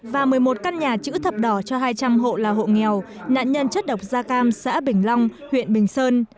và một mươi một căn nhà chữ thập đỏ cho hai trăm linh hộ là hộ nghèo nạn nhân chất độc da cam xã bình long huyện bình sơn